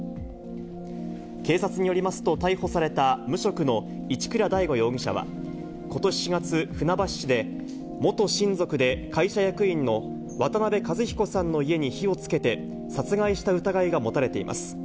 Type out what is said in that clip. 警察によりますと、逮捕された、無職の一倉大悟容疑者は、ことし４月、船橋市で、元親族で会社役員の渡辺和彦さんの家に火をつけて、殺害した疑いが持たれています。